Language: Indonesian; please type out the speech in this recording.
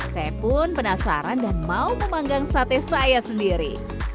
saya pun penasaran dan mau memanggang sate saya sendiri